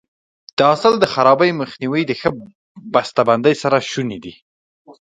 د حاصل د خرابي مخنیوی د ښه بسته بندۍ سره شونی دی.